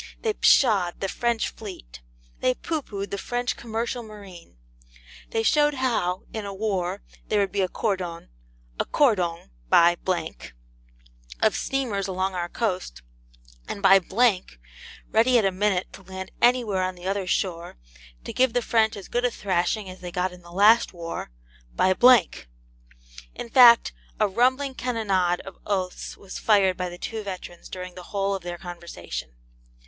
They psha'd the French fleet; they pooh pooh'd the French commercial marine; they showed how, in a war, there would be a cordon ['a cordong, by ') of steamers along our coast, and 'by ,' ready at a minute to land anywhere on the other shore, to give the French as good a thrashing as they got in the last war, 'by '. In fact, a rumbling cannonade of oaths was fired by the two veterans during the whole of their conversation.